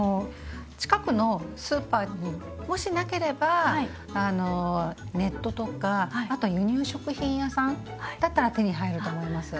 近くのスーパーにもしなければネットとかあと輸入食品屋さんだったら手に入ると思います。